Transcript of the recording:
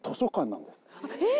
えっ！？